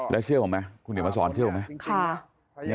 แล้วเชื่อผมไหมคุณเดี๋ยวมาสอนเชื่อผมไหม